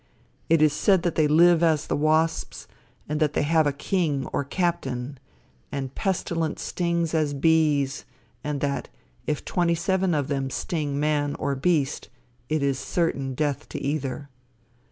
It is said they live as the wasps, and that they have a king or captain, and pestilent stings as bees, and that, if twenty seven of them sting man or beast, it is certain death to either.